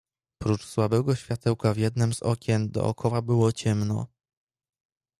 "Prócz słabego światełka w jednem z okien dokoła było ciemno."